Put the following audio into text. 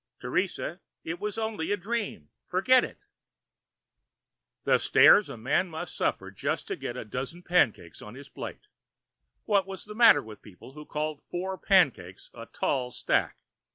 "Teresa, it was only a dream. Forget it." The stares a man must suffer just to get a dozen pancakes on his plate! What was the matter with people who called four pancakes a tall stack?